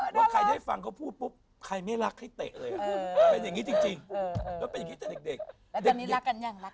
ตัวขึ้นมาก็ไม่มีเลยนะ